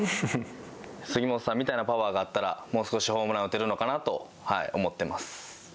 杉本さんみたいなパワーがあったらもう少しホームラン打てるのかなと思ってます。